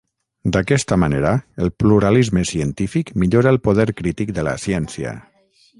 D'aquesta manera, el pluralisme científic millora el poder crític de la ciència.